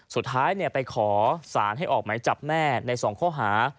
สุดท้ายไปขอสารให้ออกไหมจับแม่ใน๒ข้อหา